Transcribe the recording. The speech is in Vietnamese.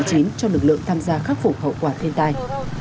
cho lực lượng tham gia khắc phục hậu quả thiên tai